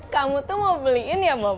kamu tuh mau beliin ya bapak